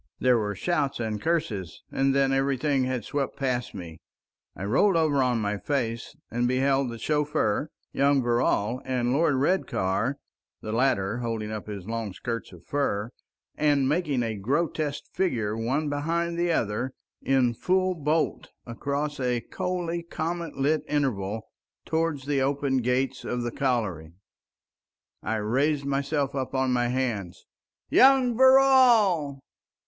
There were shouts and curses, and then everything had swept past me. I rolled over on my face and beheld the chauffeur, young Verrall, and Lord Redcar—the latter holding up his long skirts of fur, and making a grotesque figure—one behind the other, in full bolt across a coldly comet lit interval, towards the open gates of the colliery. I raised myself up on my hands. Young Verrall!